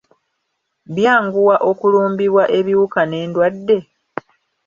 Byanguwa okulumbibwa ebiwuka n’endwadde?